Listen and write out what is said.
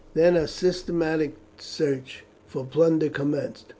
Then a systematic search for plunder commenced.